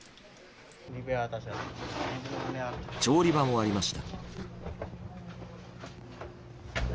調理場もありました。